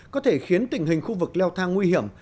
có thể khiến tình hình khu vực leo thang nguy hiểm